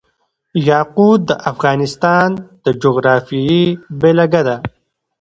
یاقوت د افغانستان د جغرافیې بېلګه ده.